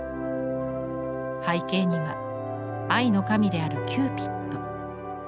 背景には愛の神であるキューピッド。